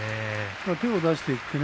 手を出していってね。